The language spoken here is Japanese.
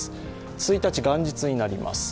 １日元日になります